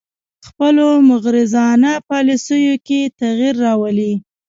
خپلو مغرضانه پالیسیو کې تغیر راولي